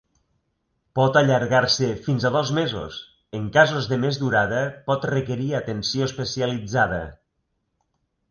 Pot allargar-se fins a dos mesos, en casos de més durada pot requerir atenció especialitzada.